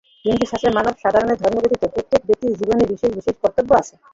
হিন্দুশাস্ত্রমতে মানব-সাধারণের ধর্ম ব্যতীত প্রত্যেক ব্যক্তির জীবনে বিশেষ বিশেষ কর্তব্য আছে।